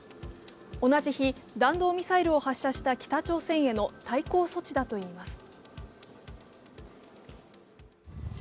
同じ日、弾道ミサイルを発射した北朝鮮への対抗措置だといいます。